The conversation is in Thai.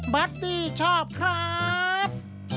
บัตตี้ชอบครับ